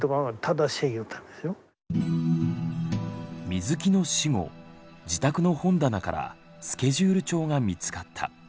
水木の死後自宅の本棚からスケジュール帳が見つかった。